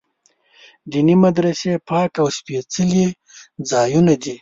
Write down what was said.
دیني مدرسې پاک او سپېڅلي ځایونه دي.